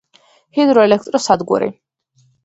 ჰიდრო ელექტრო სადგური